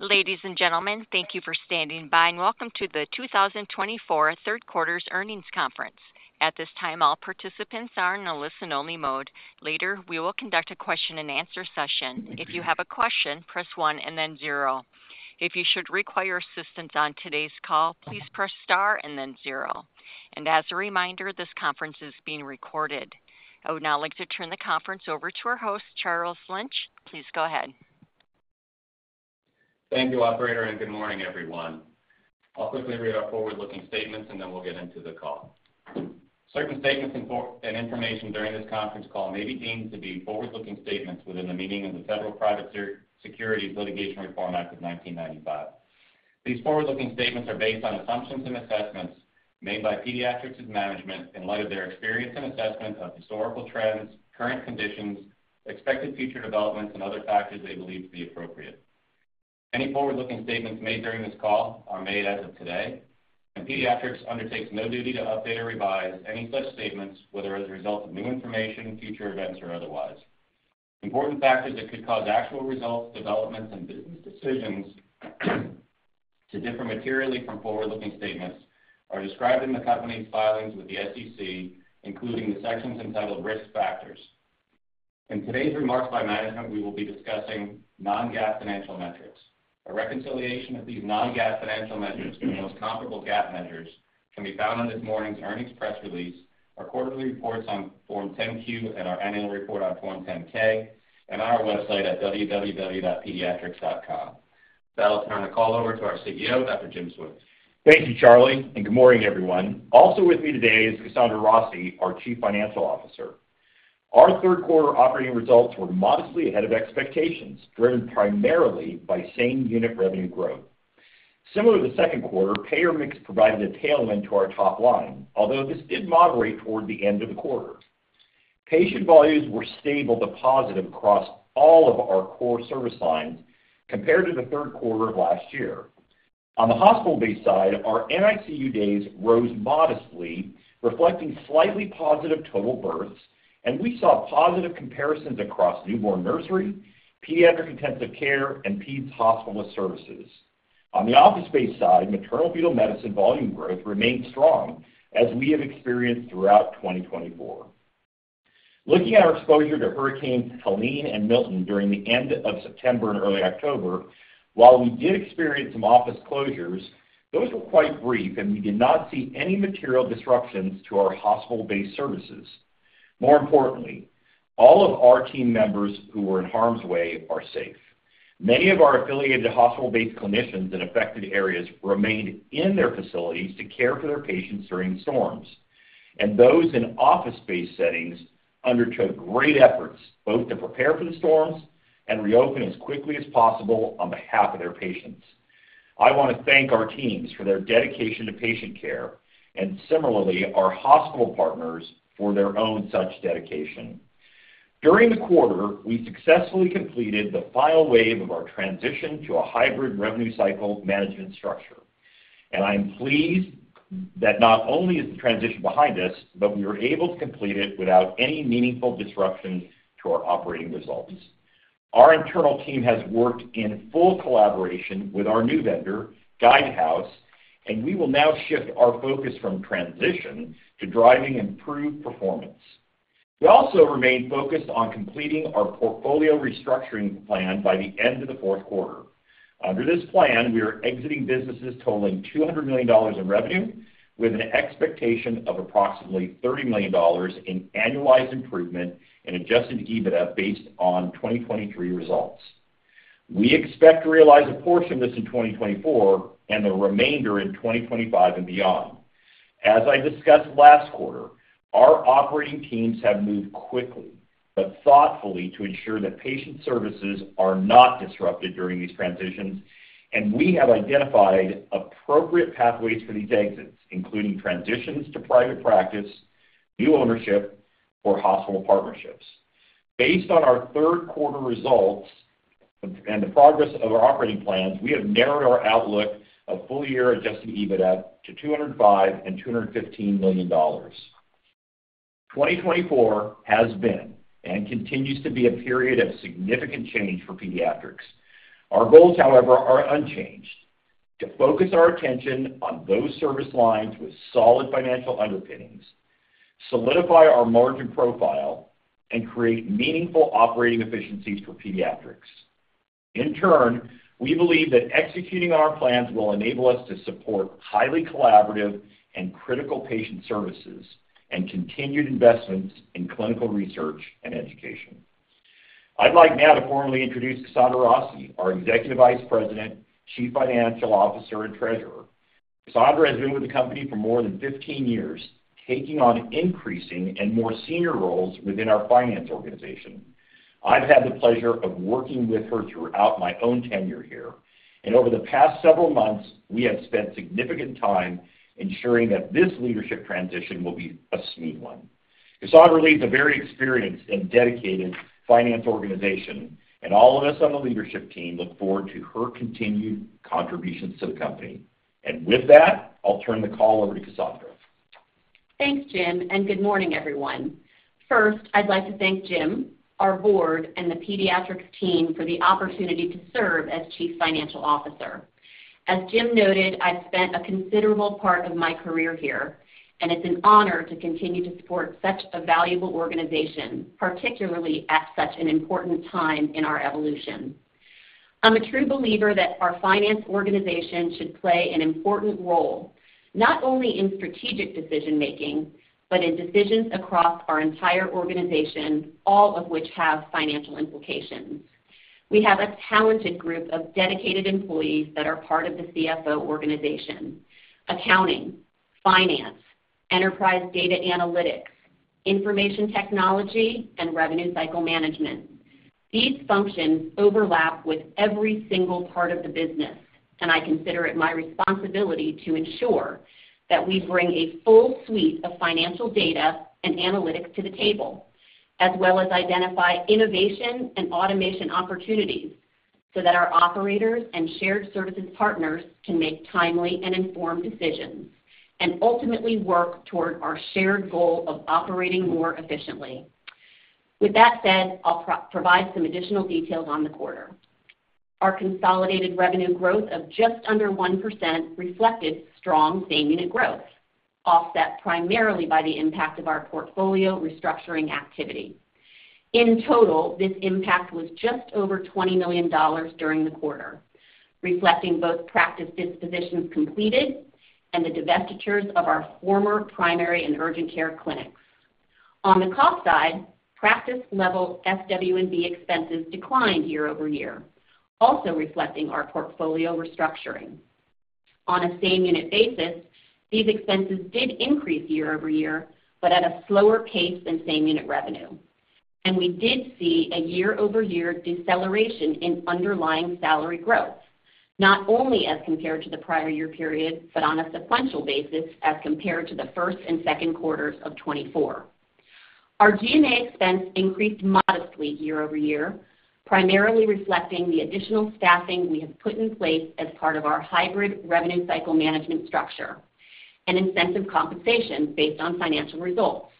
Ladies and gentlemen, thank you for standing by, and welcome to the 2024 Third Quarter's Earnings Conference. At this time, all participants are in a listen-only mode. Later, we will conduct a question-and-answer session. If you have a question, press one and then zero. If you should require assistance on today's call, please press star and then zero. And as a reminder, this conference is being recorded. I would now like to turn the conference over to our host, Charles Lynch. Please go ahead. Thank you, Operator, and good morning, everyone. I'll quickly read our forward-looking statements, and then we'll get into the call. Certain statements and information during this conference call may be deemed to be forward-looking statements within the meaning of the Federal Private Securities Litigation Reform Act of 1995. These forward-looking statements are based on assumptions and assessments made by Pediatrix's management in light of their experience and assessment of historical trends, current conditions, expected future developments, and other factors they believe to be appropriate. Any forward-looking statements made during this call are made as of today, and Pediatrix undertakes no duty to update or revise any such statements, whether as a result of new information, future events, or otherwise. Important factors that could cause actual results, developments, and business decisions to differ materially from forward-looking statements are described in the company's filings with the SEC, including the sections entitled Risk Factors. In today's remarks by management, we will be discussing Non-GAAP financial metrics. A reconciliation of these Non-GAAP financial metrics with the most comparable GAAP measures can be found on this morning's earnings press release, our quarterly reports on Form 10-Q and our annual report on Form 10-K, and on our website at www.pediatrix.com. That'll turn the call over to our CEO, Dr. James Swift. Thank you, Charlie, and good morning, everyone. Also with me today is Kasandra Rossi, our Chief Financial Officer. Our third-quarter operating results were modestly ahead of expectations, driven primarily by same-unit revenue growth. Similar to the second quarter, payer mix provided a tailwind to our top line, although this did moderate toward the end of the quarter. Patient volumes were stable to positive across all of our core service lines compared to the third quarter of last year. On the hospital-based side, our NICU days rose modestly, reflecting slightly positive total births, and we saw positive comparisons across newborn nursery, pediatric intensive care, and peds hospitalist services. On the office-based side, maternal-fetal medicine volume growth remained strong, as we have experienced throughout 2024. Looking at our exposure to Hurricanes Helene and Milton during the end of September and early October, while we did experience some office closures, those were quite brief, and we did not see any material disruptions to our hospital-based services. More importantly, all of our team members who were in harm's way are safe. Many of our affiliated hospital-based clinicians in affected areas remained in their facilities to care for their patients during storms, and those in office-based settings undertook great efforts both to prepare for the storms and reopen as quickly as possible on behalf of their patients. I want to thank our teams for their dedication to patient care and, similarly, our hospital partners for their own such dedication. During the quarter, we successfully completed the final wave of our transition to a hybrid revenue-cycle management structure, and I am pleased that not only is the transition behind us, but we were able to complete it without any meaningful disruptions to our operating results. Our internal team has worked in full collaboration with our new vendor, Guidehouse, and we will now shift our focus from transition to driving improved performance. We also remain focused on completing our portfolio restructuring plan by the end of the fourth quarter. Under this plan, we are exiting businesses totaling $200 million in revenue, with an expectation of approximately $30 million in annualized improvement and Adjusted EBITDA based on 2023 results. We expect to realize a portion of this in 2024 and the remainder in 2025 and beyond. As I discussed last quarter, our operating teams have moved quickly but thoughtfully to ensure that patient services are not disrupted during these transitions, and we have identified appropriate pathways for these exits, including transitions to private practice, new ownership, or hospital partnerships. Based on our third-quarter results and the progress of our operating plans, we have narrowed our outlook of full-year Adjusted EBITDA to $205-$215 million. 2024 has been and continues to be a period of significant change for Pediatrix. Our goals, however, are unchanged: to focus our attention on those service lines with solid financial underpinnings, solidify our margin profile, and create meaningful operating efficiencies for Pediatrix. In turn, we believe that executing on our plans will enable us to support highly collaborative and critical patient services and continued investments in clinical research and education. I'd like now to formally introduce Kasandra Rossi, our Executive Vice President, Chief Financial Officer, and Treasurer. Kasandra has been with the company for more than 15 years, taking on increasing and more senior roles within our finance organization. I've had the pleasure of working with her throughout my own tenure here, and over the past several months, we have spent significant time ensuring that this leadership transition will be a smooth one. Kasandra leads a very experienced and dedicated finance organization, and all of us on the leadership team look forward to her continued contributions to the company. And with that, I'll turn the call over to Kasandra. Thanks, Jim, and good morning, everyone. First, I'd like to thank Jim, our board, and the Pediatrix team for the opportunity to serve as Chief Financial Officer. As Jim noted, I've spent a considerable part of my career here, and it's an honor to continue to support such a valuable organization, particularly at such an important time in our evolution. I'm a true believer that our finance organization should play an important role not only in strategic decision-making but in decisions across our entire organization, all of which have financial implications. We have a talented group of dedicated employees that are part of the CFO organization: accounting, finance, enterprise data analytics, information technology, and revenue-cycle management. These functions overlap with every single part of the business, and I consider it my responsibility to ensure that we bring a full suite of financial data and analytics to the table, as well as identify innovation and automation opportunities so that our operators and shared services partners can make timely and informed decisions and ultimately work toward our shared goal of operating more efficiently. With that said, I'll provide some additional details on the quarter. Our consolidated revenue growth of just under 1% reflected strong same-unit growth, offset primarily by the impact of our portfolio restructuring activity. In total, this impact was just over $20 million during the quarter, reflecting both practice dispositions completed and the divestitures of our former primary and urgent care clinics. On the cost side, practice-level SW&B expenses declined year-over-year, also reflecting our portfolio restructuring. On a same-unit basis, these expenses did increase year-over-year but at a slower pace than same-unit revenue, and we did see a year-over-year deceleration in underlying salary growth, not only as compared to the prior year period but on a sequential basis as compared to the first and second quarters of 2024. Our G&A expense increased modestly year-over-year, primarily reflecting the additional staffing we have put in place as part of our hybrid revenue-cycle management structure and incentive compensation based on financial results.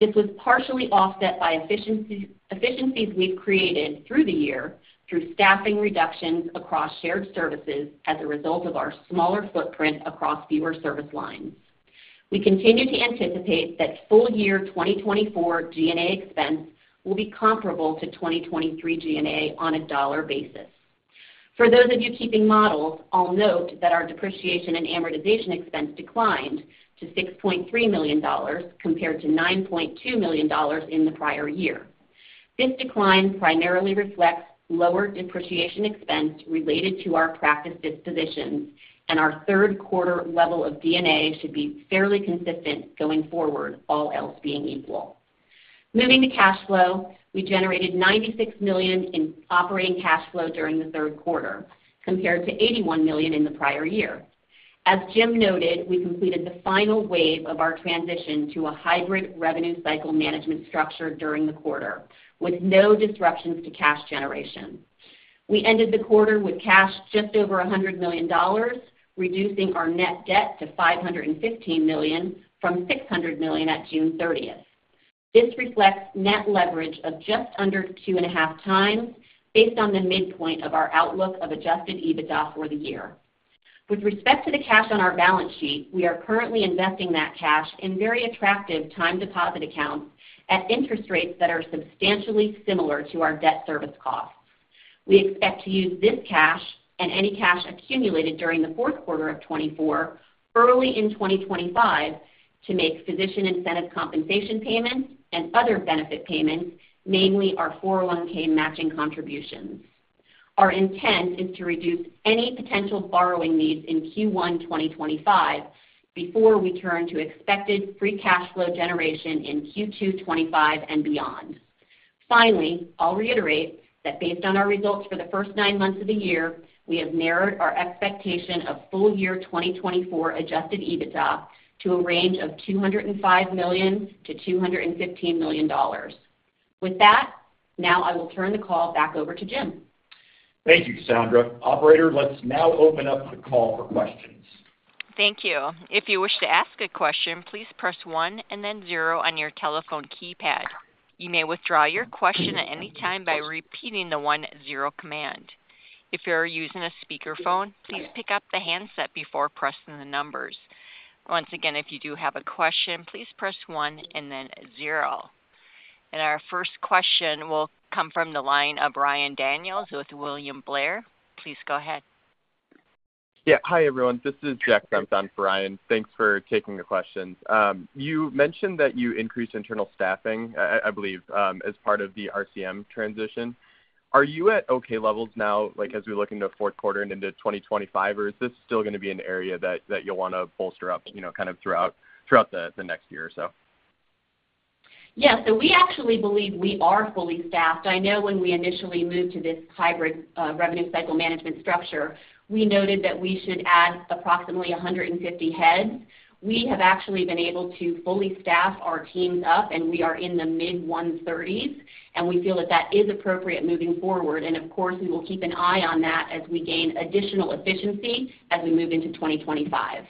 This was partially offset by efficiencies we've created through the year through staffing reductions across shared services as a result of our smaller footprint across fewer service lines. We continue to anticipate that full-year 2024 G&A expense will be comparable to 2023 G&A on a dollar basis. For those of you keeping models, I'll note that our depreciation and amortization expense declined to $6.3 million compared to $9.2 million in the prior year. This decline primarily reflects lower depreciation expense related to our practice dispositions, and our third-quarter level of G&A should be fairly consistent going forward, all else being equal. Moving to cash flow, we generated $96 million in operating cash flow during the third quarter compared to $81 million in the prior year. As Jim noted, we completed the final wave of our transition to a hybrid revenue-cycle management structure during the quarter with no disruptions to cash generation. We ended the quarter with cash just over $100 million, reducing our net debt to $515 million from $600 million at June 30th. This reflects net leverage of just under two and a half times based on the midpoint of our outlook of Adjusted EBITDA for the year. With respect to the cash on our balance sheet, we are currently investing that cash in very attractive time deposit accounts at interest rates that are substantially similar to our debt service costs. We expect to use this cash and any cash accumulated during the fourth quarter of 2024 early in 2025 to make physician incentive compensation payments and other benefit payments, namely our 401(k) matching contributions. Our intent is to reduce any potential borrowing needs in Q1 2025 before we turn to expected free cash flow generation in Q2 2025 and beyond. Finally, I'll reiterate that based on our results for the first nine months of the year, we have narrowed our expectation of full-year 2024 Adjusted EBITDA to a range of $205 million-$215 million. With that, now I will turn the call back over to Jim. Thank you, Kasandra. Operator, let's now open up the call for questions. Thank you. If you wish to ask a question, please press 1 and then 0 on your telephone keypad. You may withdraw your question at any time by repeating the 1-0 command. If you're using a speakerphone, please pick up the handset before pressing the numbers. Once again, if you do have a question, please press 1 and then 0. And our first question will come from the line of Ryan Daniels with William Blair. Please go ahead. Yeah. Hi, everyone. This is Jeff Sampson for Ryan. Thanks for taking the questions. You mentioned that you increased internal staffing, I believe, as part of the RCM transition. Are you at okay levels now, as we look into the fourth quarter and into 2025, or is this still going to be an area that you'll want to bolster up kind of throughout the next year or so? Yeah, so we actually believe we are fully staffed. I know when we initially moved to this hybrid revenue-cycle management structure, we noted that we should add approximately 150 heads. We have actually been able to fully staff our teams up, and we are in the mid-130s, and we feel that that is appropriate moving forward, and of course, we will keep an eye on that as we gain additional efficiency as we move into 2025.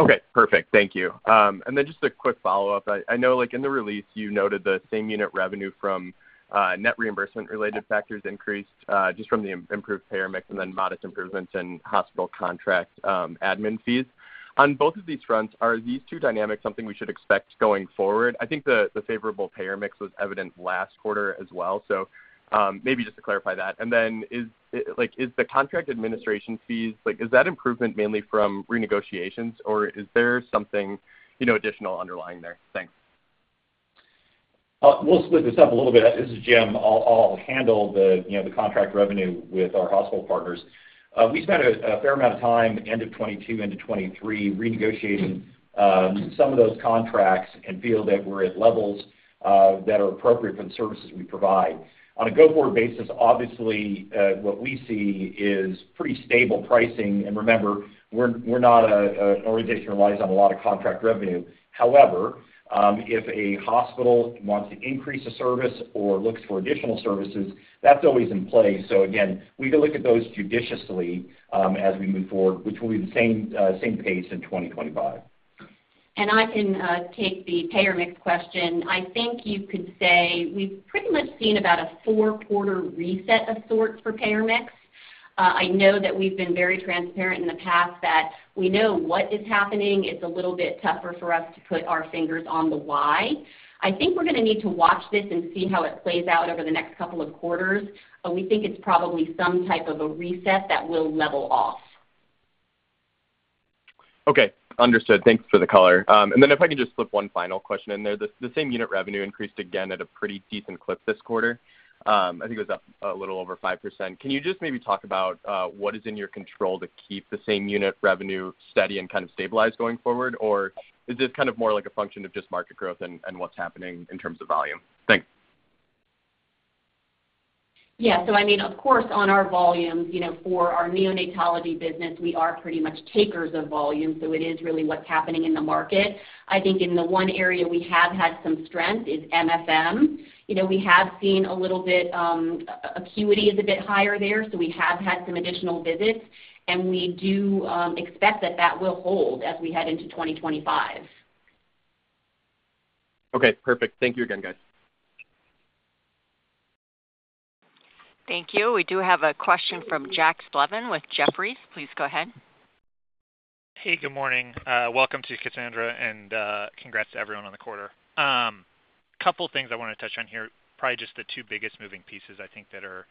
Okay. Perfect. Thank you. And then just a quick follow-up. I know in the release, you noted the same-unit revenue from net reimbursement-related factors increased just from the improved payer mix and then modest improvements in hospital contract admin fees. On both of these fronts, are these two dynamics something we should expect going forward? I think the favorable payer mix was evident last quarter as well. So maybe just to clarify that. And then is the contract administration fees, is that improvement mainly from renegotiations, or is there something additional underlying there? Thanks. We'll split this up a little bit. This is Jim. I'll handle the contract revenue with our hospital partners. We spent a fair amount of time, end of 2022 into 2023, renegotiating some of those contracts and feel that we're at levels that are appropriate for the services we provide. On a go-forward basis, obviously, what we see is pretty stable pricing, and remember, we're not an organization that relies on a lot of contract revenue. However, if a hospital wants to increase a service or looks for additional services, that's always in play, so again, we can look at those judiciously as we move forward, which will be the same pace in 2025. And I can take the payer mix question. I think you could say we've pretty much seen about a four-quarter reset of sorts for payer mix. I know that we've been very transparent in the past that we know what is happening. It's a little bit tougher for us to put our fingers on the why. I think we're going to need to watch this and see how it plays out over the next couple of quarters. We think it's probably some type of a reset that will level off. Okay. Understood. Thanks for the color. And then if I can just flip one final question in there. The same-unit revenue increased again at a pretty decent clip this quarter. I think it was up a little over 5%. Can you just maybe talk about what is in your control to keep the same-unit revenue steady and kind of stabilize going forward, or is this kind of more like a function of just market growth and what's happening in terms of volume? Thanks. Yeah. So I mean, of course, on our volumes, for our neonatology business, we are pretty much takers of volume. So it is really what's happening in the market. I think in the one area we have had some strength is MFM. We have seen a little bit acuity is a bit higher there. So we have had some additional visits, and we do expect that that will hold as we head into 2025. Okay. Perfect. Thank you again, guys. Thank you. We do have a question from Jack Slevin with Jefferies. Please go ahead. Hey, good morning. Welcome, Kasandra, and congrats to everyone on the quarter. A couple of things I want to touch on here, probably just the two biggest moving pieces I think that are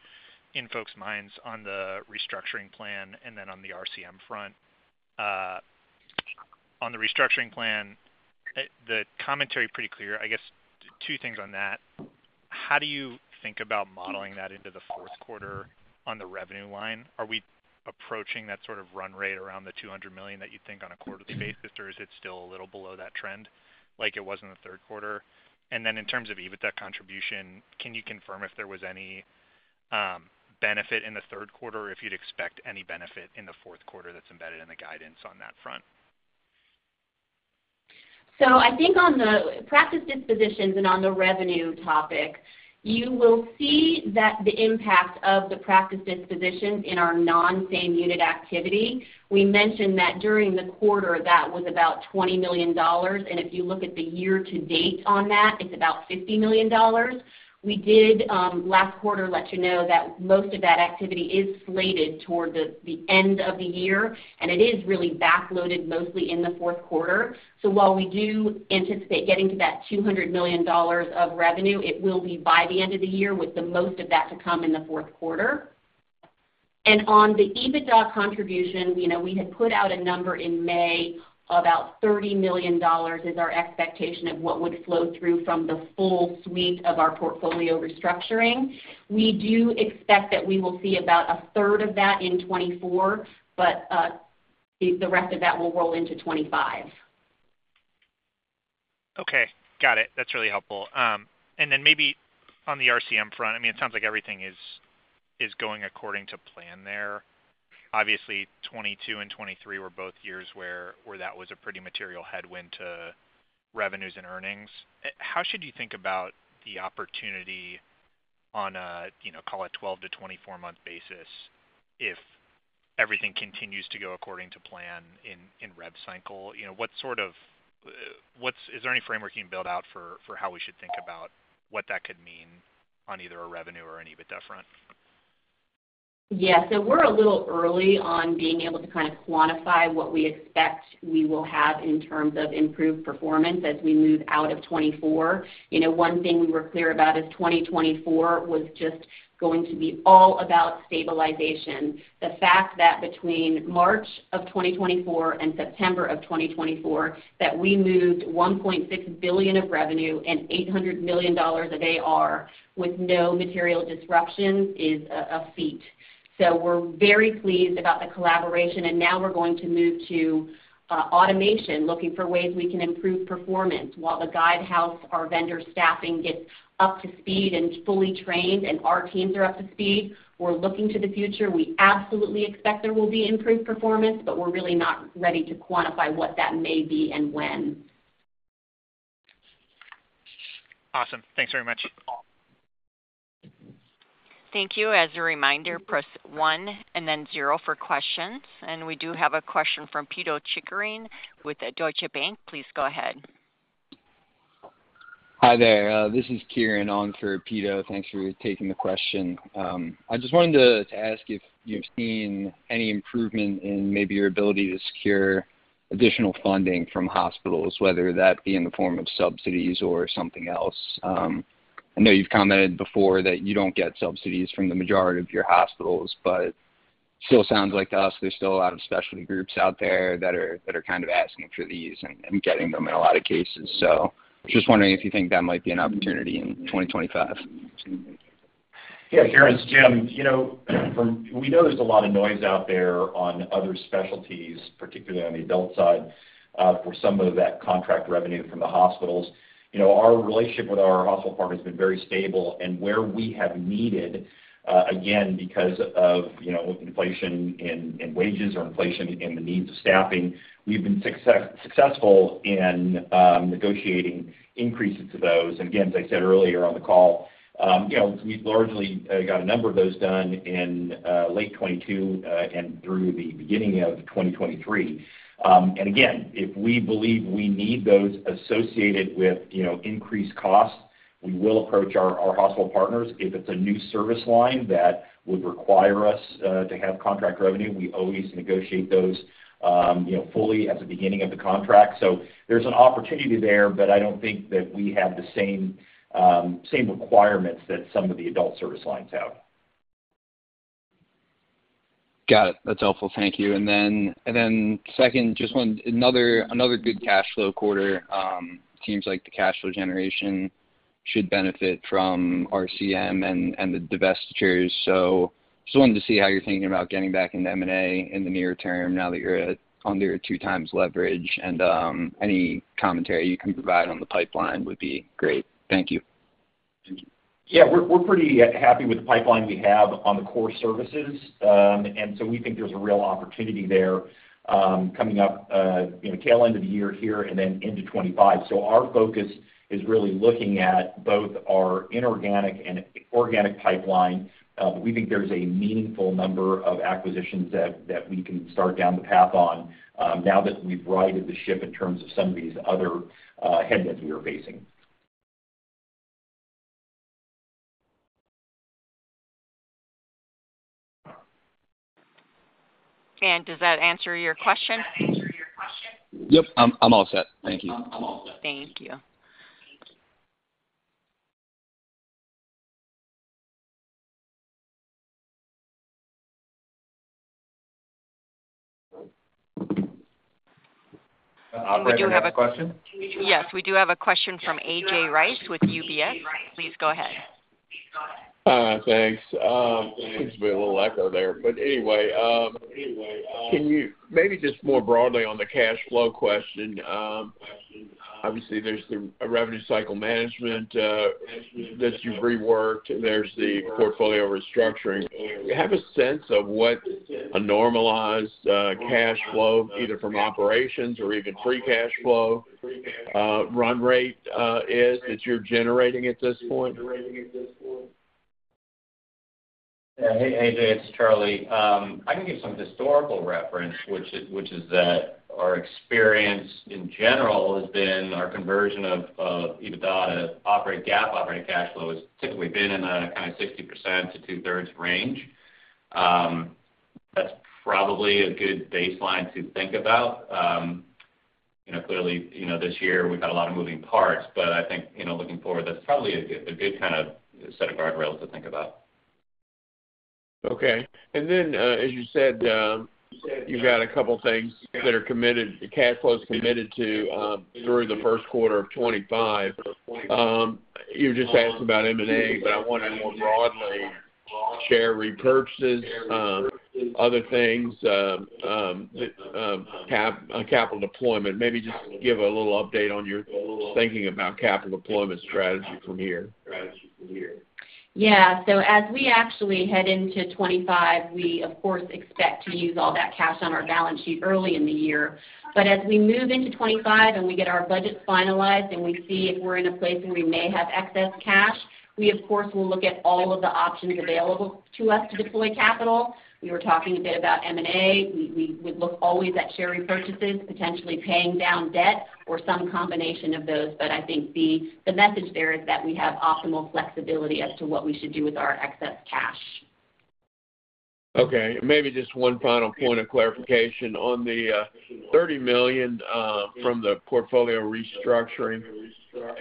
in folks' minds on the restructuring plan and then on the RCM front. On the restructuring plan, the commentary is pretty clear. I guess two things on that. How do you think about modeling that into the fourth quarter on the revenue line? Are we approaching that sort of run rate around the $200 million that you think on a quarterly basis, or is it still a little below that trend like it was in the third quarter? And then in terms of EBITDA contribution, can you confirm if there was any benefit in the third quarter or if you'd expect any benefit in the fourth quarter that's embedded in the guidance on that front? I think on the practice dispositions and on the revenue topic, you will see that the impact of the practice dispositions in our non-same-unit activity. We mentioned that during the quarter, that was about $20 million. If you look at the year-to-date on that, it's about $50 million. We did last quarter let you know that most of that activity is slated toward the end of the year, and it is really backloaded mostly in the fourth quarter. While we do anticipate getting to that $200 million of revenue, it will be by the end of the year with the most of that to come in the fourth quarter. On the EBITDA contribution, we had put out a number in May of about $30 million, is our expectation of what would flow through from the full suite of our portfolio restructuring. We do expect that we will see about a third of that in 2024, but the rest of that will roll into 2025. Okay. Got it. That's really helpful. And then maybe on the RCM front, I mean, it sounds like everything is going according to plan there. Obviously, 2022 and 2023 were both years where that was a pretty material headwind to revenues and earnings. How should you think about the opportunity on a, call it, 12- to 24-month basis if everything continues to go according to plan in rev cycle? What sort of is there any framework you can build out for how we should think about what that could mean on either a revenue or an EBITDA front? Yeah. So we're a little early on being able to kind of quantify what we expect we will have in terms of improved performance as we move out of 2024. One thing we were clear about is 2024 was just going to be all about stabilization. The fact that between March of 2024 and September of 2024, that we moved $1.6 billion of revenue and $800 million of AR with no material disruptions is a feat. So we're very pleased about the collaboration. And now we're going to move to automation, looking for ways we can improve performance. While the Guidehouse, our vendor staffing gets up to speed and fully trained and our teams are up to speed, we're looking to the future. We absolutely expect there will be improved performance, but we're really not ready to quantify what that may be and when. Awesome. Thanks very much. Thank you. As a reminder, press 1 and then 0 for questions. And we do have a question from Pito Chickering with Deutsche Bank. Please go ahead. Hi there. This is Kieran Ong for Pito. Thanks for taking the question. I just wanted to ask if you've seen any improvement in maybe your ability to secure additional funding from hospitals, whether that be in the form of subsidies or something else. I know you've commented before that you don't get subsidies from the majority of your hospitals, but it still sounds like to us there's still a lot of specialty groups out there that are kind of asking for these and getting them in a lot of cases. So just wondering if you think that might be an opportunity in 2025. Yeah. Here is Jim. We noticed a lot of noise out there on other specialties, particularly on the adult side, for some of that contract revenue from the hospitals. Our relationship with our hospital partner has been very stable. And where we have needed, again, because of inflation in wages or inflation in the needs of staffing, we've been successful in negotiating increases to those. And again, as I said earlier on the call, we've largely got a number of those done in late 2022 and through the beginning of 2023. And again, if we believe we need those associated with increased costs, we will approach our hospital partners. If it's a new service line that would require us to have contract revenue, we always negotiate those fully at the beginning of the contract. So there's an opportunity there, but I don't think that we have the same requirements that some of the adult service lines have. Got it. That's helpful. Thank you. And then second, just another good cash flow quarter. It seems like the cash flow generation should benefit from RCM and the divestitures. So just wanted to see how you're thinking about getting back into M&A in the near term now that you're under a two-times leverage. And any commentary you can provide on the pipeline would be great. Thank you. Yeah. We're pretty happy with the pipeline we have on the core services. And so we think there's a real opportunity there coming up tail end of the year here and then into 2025. So our focus is really looking at both our inorganic and organic pipeline. We think there's a meaningful number of acquisitions that we can start down the path on now that we've righted the ship in terms of some of these other headwinds we are facing. Does that answer your question? Yep. I'm all set. Thank you. Thank you. Do you have a question? Yes. We do have a question from AJ Rice with UBS. Please go ahead. Thanks. There's been a little echo there. But anyway, maybe just more broadly on the cash flow question. Obviously, there's the revenue cycle management that you've reworked. There's the portfolio restructuring. Do you have a sense of what a normalized cash flow, either from operations or even free cash flow, run rate is that you're generating at this point? Hey, AJ, it's Charlie. I can give some historical reference, which is that our experience in general has been our conversion of EBITDA to operating GAAP operating cash flow has typically been in a kind of 60% to 2/3 range. That's probably a good baseline to think about. Clearly, this year, we've had a lot of moving parts, but I think looking forward, that's probably a good kind of set of guardrails to think about. Okay. And then, as you said, you've got a couple of things that are committed, cash flows committed to through the first quarter of 2025. You were just asking about M&A, but I want to more broadly share repurchases, other things, capital deployment. Maybe just give a little update on your thinking about capital deployment strategy from here. Yeah. So as we actually head into 2025, we, of course, expect to use all that cash on our balance sheet early in the year. But as we move into 2025 and we get our budgets finalized and we see if we're in a place where we may have excess cash, we, of course, will look at all of the options available to us to deploy capital. We were talking a bit about M&A. We would look always at share repurchases, potentially paying down debt, or some combination of those. But I think the message there is that we have optimal flexibility as to what we should do with our excess cash. Okay. Maybe just one final point of clarification on the $30 million from the portfolio restructuring.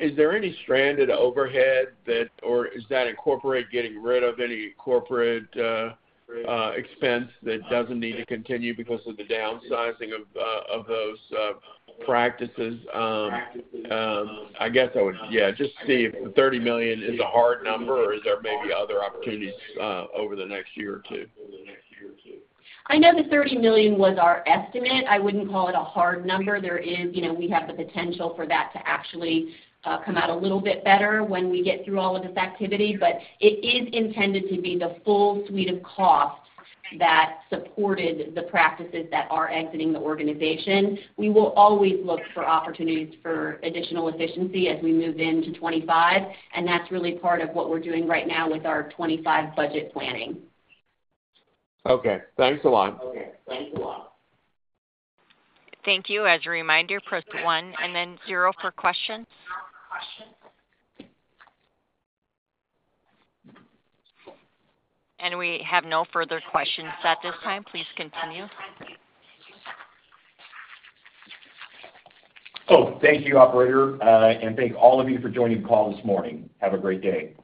Is there any stranded overhead that, or is that incorporating getting rid of any corporate expense that doesn't need to continue because of the downsizing of those practices? I guess I would, yeah, just see if the $30 million is a hard number, or is there maybe other opportunities over the next year or two? I know the $30 million was our estimate. I wouldn't call it a hard number. We have the potential for that to actually come out a little bit better when we get through all of this activity. But it is intended to be the full suite of costs that supported the practices that are exiting the organization. We will always look for opportunities for additional efficiency as we move into 2025. And that's really part of what we're doing right now with our 2025 budget planning. Okay. Thanks a lot. Thank you. Thank you. As a reminder, press 1 and then 0 for questions. And we have no further questions at this time. Please continue. Oh, thank you, operator. And thank all of you for joining the call this morning. Have a great day.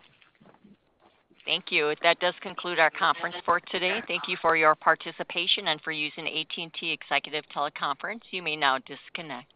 Thank you. That does conclude our conference for today. Thank you for your participation and for using AT&T Executive Teleconference. You may now disconnect.